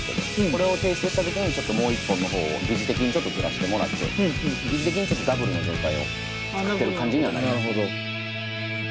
これを提出した時にもう一本の方を擬似的にちょっとずらしてもらって擬似的にちょっとダブルの状態を作ってる感じにはなりますね。